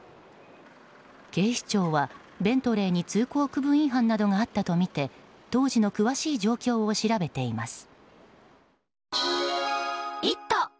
警視庁はベントレーに通行区分違反などがあったとみて当時の詳しい状況を調べています。